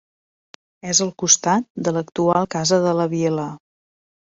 És al costat de l'actual Casa de la Vila.